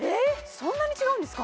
そんなに違うんですか？